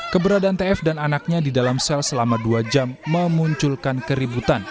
keberadaan tf dan anaknya di dalam sel selama dua jam memunculkan keributan